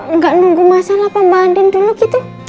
enggak nunggu masalah pak mbak andin dulu gitu